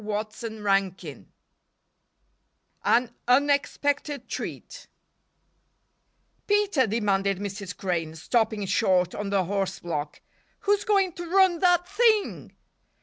CHAPTER XV An Unexpected Treat "PETER," demanded Mrs. Crane, stopping short on the horse block, "who's going to run that thing?"